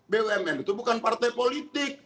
bumn itu bukan partai politik